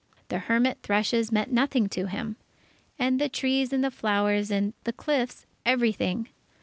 The hermit thrushes meant nothing to him, the trees and the flowers and the cliffs, everything.